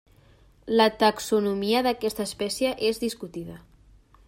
La taxonomia d'aquesta espècie és discutida.